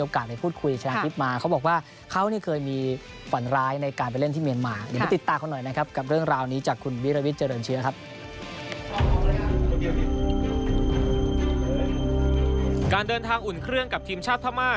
การเดินทางอุ่นเครื่องกับทีมชาติพม่า